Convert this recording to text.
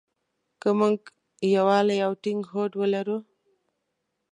که مونږ يووالی او ټينګ هوډ ولرو.